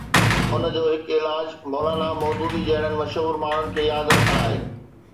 ان جو هڪ علاج مولانا مودودي جهڙن مشهور ماڻهن کي ياد رکڻ آهي.